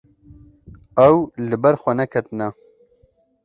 Ew li ber xwe neketine.